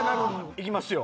行きますよ。